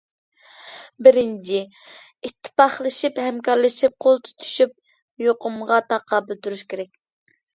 بىرىنچى، ئىتتىپاقلىشىپ، ھەمكارلىشىپ، قول تۇتۇشۇپ يۇقۇمغا تاقابىل تۇرۇش كېرەك.